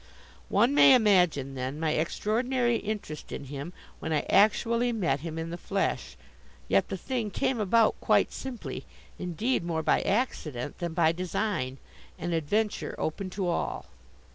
One may imagine, then, my extraordinary interest in him when I actually met him in the flesh. Yet the thing came about quite simply, indeed more by accident than by design, an adventure open to all.